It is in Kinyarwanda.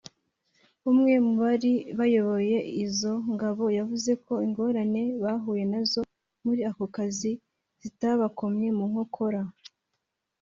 umwe mu bari bayoboye izo ngabo yavuze ko ingorane bahuye na zo muri ako kazi zitabakomye mu nkokora